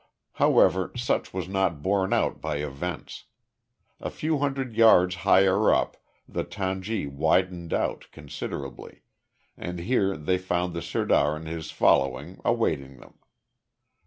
However, such was not borne out by events. A few hundred yards higher up, the tangi widened out considerably, and here they found the sirdar and his following awaiting them.